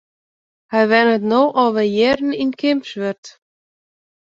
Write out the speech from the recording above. Hy wennet no al wer jierren yn Kimswert.